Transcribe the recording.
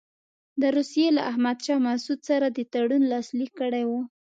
روسیې له احمدشاه مسعود سره تړون لاسلیک کړی وو.